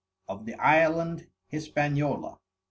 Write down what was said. Of the Island HISPANIOLA.